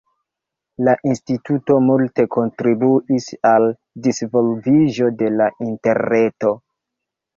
La instituto multe kontribuis al disvolviĝo de la Interreto.